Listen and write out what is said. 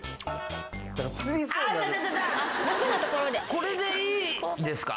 これでいいですか？